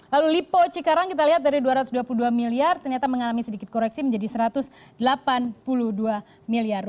lalu lipo cikarang kita lihat dari rp dua ratus dua puluh dua miliar ternyata mengalami sedikit koreksi menjadi rp satu ratus delapan puluh dua miliar